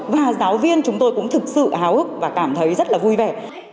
và giáo viên chúng tôi cũng thực sự háo hức và cảm thấy rất là vui vẻ